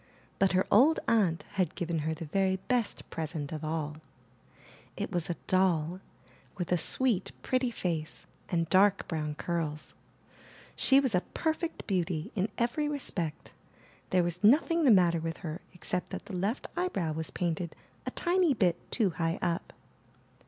But her old aunt had given her the very best present of all; it was a doll, with a sweet pretty face and dark brown curls. She was a per fect beauty in every respect. There was nothing the matter with her except that the left eyebrow was painted a tiny bit too high up.